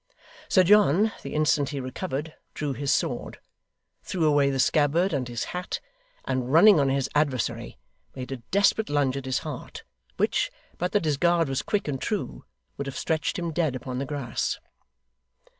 Sir John, the instant he recovered, drew his sword, threw away the scabbard and his hat, and running on his adversary made a desperate lunge at his heart, which, but that his guard was quick and true, would have stretched him dead upon the grass.